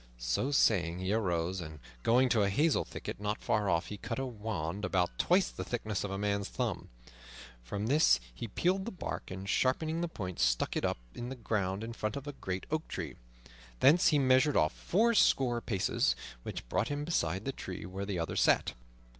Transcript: So saying, he arose, and going to a hazel thicket not far off, he cut a wand about twice the thickness of a man's thumb. From this he peeled the bark, and, sharpening the point, stuck it up in the ground in front of a great oak tree. Thence he measured off fourscore paces, which brought him beside the tree where the other sat.